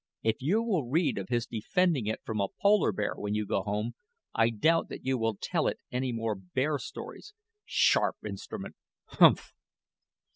If you will read of his defending it from a polar bear when you go home, I doubt that you will tell it any more bear stories. Sharp instrument umph!"